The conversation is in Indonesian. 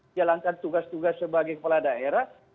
menjalankan tugas tugas sebagai kepala daerah